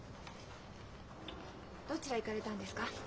どちらへ行かれたんですか？